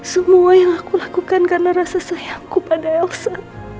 semua yang aku lakukan karena rasa sayangku pada elsa